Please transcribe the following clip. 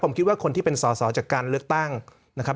ผมคิดว่าคนที่เป็นสอสอจากการเลือกตั้งนะครับ